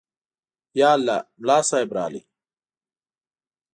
_يالله، ملا صيب راغی.